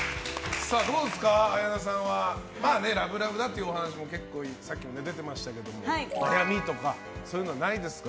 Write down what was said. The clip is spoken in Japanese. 綾菜さんはラブラブだというお話も結構さっきも出てましたけど悩みとかそういうのはないですか？